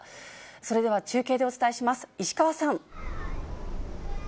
それでは中継でお伝えします、石川さん。